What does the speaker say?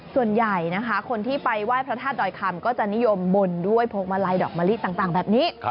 ส่วนใหญ่นะคะคนที่ไปไหว้พระธาตุดอยคำก็จะนิยมบนด้วยพวงมาลัยดอกมะลิต่างแบบนี้